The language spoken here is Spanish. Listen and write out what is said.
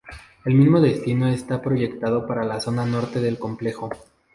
El mismo destino está proyectado para la zona Norte del complejo.